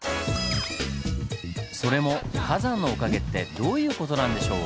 それも火山のおかげってどういう事なんでしょう？